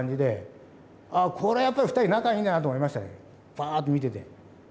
パーッと見てて。